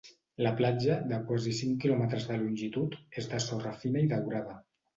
La platja, de quasi cinc quilòmetres de longitud, és de sorra fina i daurada.